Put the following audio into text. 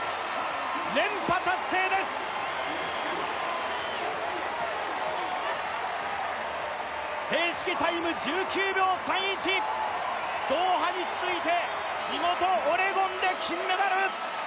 連覇達成です正式タイム１９秒３１ドーハに続いて地元オレゴンで金メダル